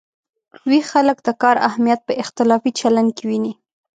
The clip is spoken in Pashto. ویښ خلک د کار اهمیت په اختلافي چلن کې ویني.